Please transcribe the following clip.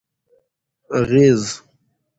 اغېز: